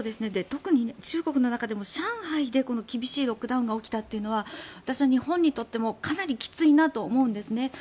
特に中国の中でも上海でこの厳しいロックダウンが起きたというのは私は日本にとってもかなりきついと思うんですね。